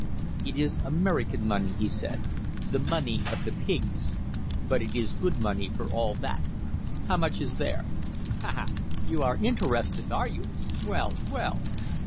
"It is American money," he said, "the money of the pigs. But it is good money for all that." "How much is there?" "Ha! ha! You are interested, are you? Well, well!"